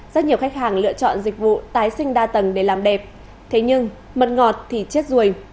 rất nhiều khách hàng lựa chọn dịch vụ tái sinh đa tầng để làm đẹp thế nhưng mận ngọt thì chết ruồi